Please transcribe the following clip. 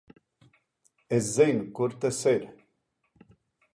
Es zinu, kur tas ir.